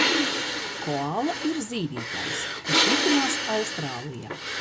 Koala ir zīdītājs, kurš mitinās Austrālijā.